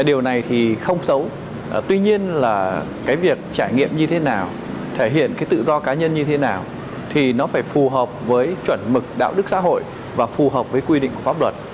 điều này thì không xấu tuy nhiên là cái việc trải nghiệm như thế nào thể hiện cái tự do cá nhân như thế nào thì nó phải phù hợp với chuẩn mực đạo đức xã hội và phù hợp với quy định của pháp luật